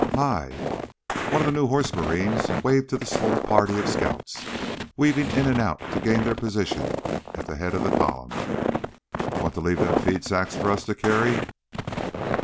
"Hi!" One of the new Horse Marines waved to the small party of scouts, weaving in and out to gain their position at the head of the column. "Want to leave them feed sacks for us to carry?"